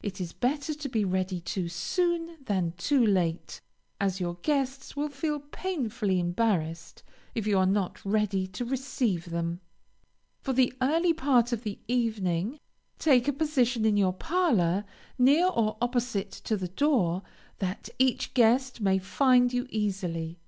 It is better to be ready too soon, than too late, as your guests will feel painfully embarrassed if you are not ready to receive them. For the early part of the evening, take a position in your parlor, near or opposite to the door, that each guest may find you easily.